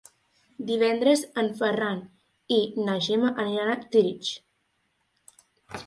Divendres en Ferran i na Gemma aniran a Tírig.